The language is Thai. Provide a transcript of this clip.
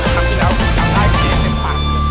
โปรดติดตาม